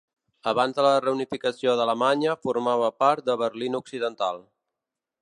Abans de la reunificació d'Alemanya, formava part de Berlín occidental.